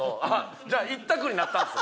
じゃあ１択になったんすね。